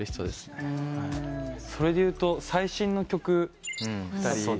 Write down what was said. それでいうと最新の曲２人。